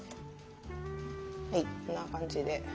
はいこんな感じで。